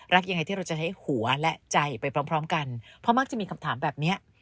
ยังไงที่เราจะใช้หัวและใจไปพร้อมพร้อมกันเพราะมักจะมีคำถามแบบเนี้ย